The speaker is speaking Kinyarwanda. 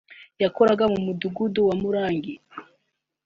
yakoraga mu Mudugudu wa Murangi